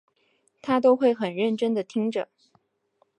她都会很认真地听着